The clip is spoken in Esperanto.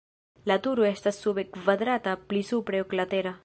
La turo estas sube kvadrata, pli supre oklatera.